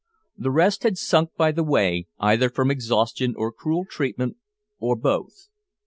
The rest had sunk by the way, either from exhaustion or cruel treatment, or both.